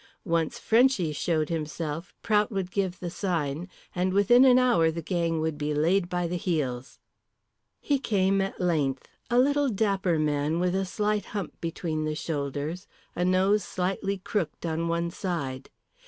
Once Frenchy showed himself, Prout would give the sign, and within an hour the gang would be laid by the heels. He came at length, a little dapper man, with a slight hump between the shoulders, a nose slightly crooked on one side.